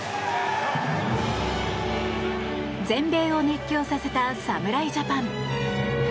全米を熱狂させた侍ジャパン。